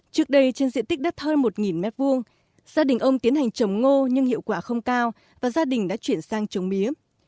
trước đây trên diện tích đất hơn một m hai gia đình ông tiến hành trồng ngô nhưng hiệu quả không cao và gia đình đã chuyển sang trồng mía